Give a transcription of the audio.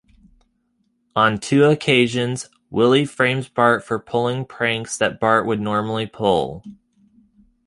On two occasions, Willie frames Bart for pulling pranks that Bart would normally pull.